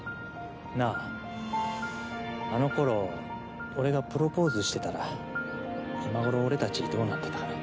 なあ、あのころ俺がプロポーズしてたら今ごろ俺たち、どうなってたかな。